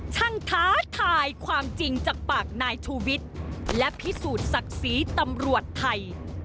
ท้าทายความจริงจากปากนายชูวิทย์และพิสูจน์ศักดิ์ศรีตำรวจไทย